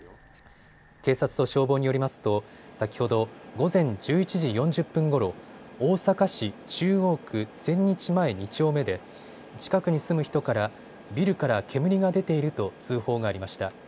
警察と消防によりますと先ほど午前１１時４０分ごろ、大阪市中央区千日前２丁目で近くに住む人から、ビルから煙が出ていると通報がありました。